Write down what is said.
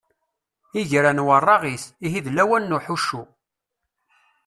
Igran weṛṛaɣit, ihi d lawan n uḥuccu.